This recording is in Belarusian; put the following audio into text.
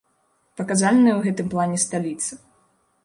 Паказальная ў гэтым плане сталіца.